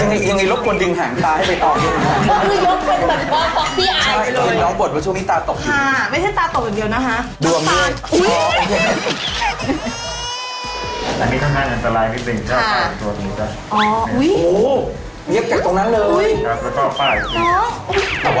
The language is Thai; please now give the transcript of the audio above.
ใช่ตอนนี้หิวน้องบ่นว่าชั่วพี่ตาตกจริง